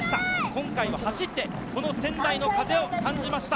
今回は走って仙台の風を感じました。